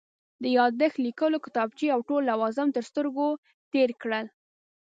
د یادښت لیکلو کتابچې او ټول لوازم تر سترګو تېر کړل.